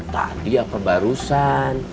tadi apa barusan